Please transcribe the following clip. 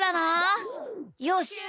よし！